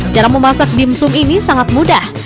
cara memasak dimsum ini sangat mudah